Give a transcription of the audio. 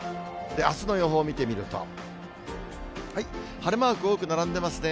あすの予報見てみると、晴れマーク多く並んでますね。